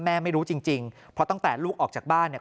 ไม่รู้จริงเพราะตั้งแต่ลูกออกจากบ้านเนี่ย